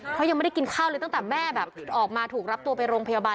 เพราะยังไม่ได้กินข้าวเลยตั้งแต่แม่แบบออกมาถูกรับตัวไปโรงพยาบาล